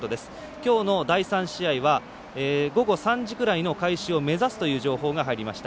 きょうの第３試合は午後３時ぐらいの開始を目指すという情報が入りました。